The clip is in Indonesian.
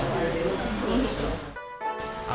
sekolah berarti support ya